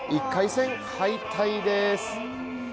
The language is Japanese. １回戦敗退です。